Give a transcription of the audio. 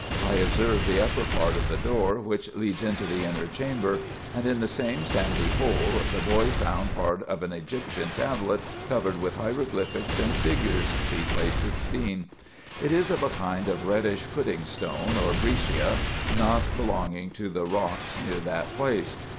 I observed the upper part of the door which leads into the inner chamber; and in the same sandy hole the boy found part of an Egyptian tablet covered with hieroglyphics and figures (See Plate 16.) It is of a kind of reddish pudding stone or breccia, not belonging to the rocks near that place.